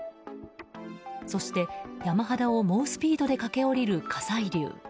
そして、山肌を猛スピードで駆け降りる火砕流。